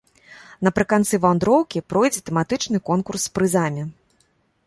Напрыканцы вандроўкі пройдзе тэматычны конкурс з прызамі.